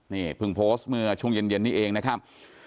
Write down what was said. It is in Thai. นี่เพิ่งโพสต์เมื่อช่วงเย็นนี้เองนะครับ